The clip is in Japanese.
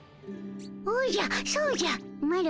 おじゃそうじゃマロ